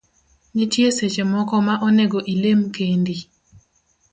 Nitie seche moko ma nego ilem kendi